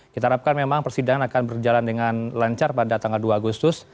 kita harapkan memang persidangan akan berjalan dengan lancar pada tanggal dua agustus